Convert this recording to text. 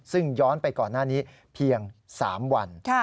ซึ่งย้อนไปก่อนหน้านี้เพียง๓วัน